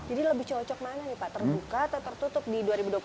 jadi lebih cocok mana nih pak tertuka atau tertutup di dua ribu dua puluh empat